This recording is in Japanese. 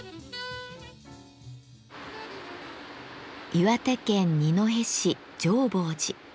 岩手県二戸市浄法寺。